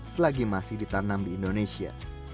selagi masih ditanam di indonesia